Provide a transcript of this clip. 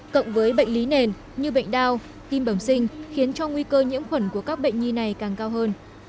cộng với bệnh lý nền như bệnh đau tim bẩm sinh khiến cho nguy cơ nhiễm khuẩn của các bệnh nhi này càng cao hơn